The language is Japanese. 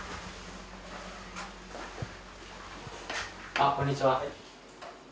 あっこんにちは。